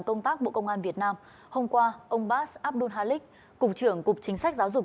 công tác bộ công an việt nam hôm qua ông bas abdul halik cục trưởng cục chính sách giáo dục